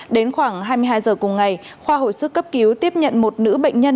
đến khoảng hai mươi hai giờ cùng ngày khoa hồi sức cấp cứu tiếp nhận một nữ bệnh nhân